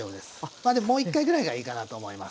まあもう一回ぐらいがいいかなと思います。